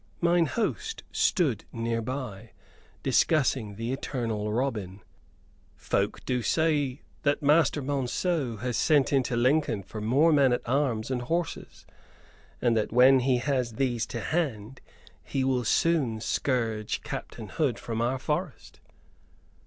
Mine host stood near by, discussing the eternal Robin. "Folk do say that Master Monceux has sent into Lincoln for more men at arms and horses, and that when he has these to hand he will soon scourge Captain Hood from our forest."